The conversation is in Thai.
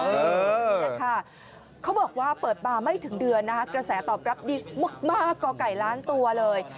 นี่แหละค่ะเขาบอกว่าเปิดมาไม่ถึงเดือนนะคะกระแสตอบรับดีมากก่อไก่ล้านตัวเลย